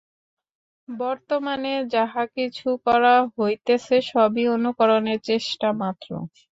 বর্তমানে যাহা কিছু করা হইতেছে, সবই অনুকরণের চেষ্টা মাত্র।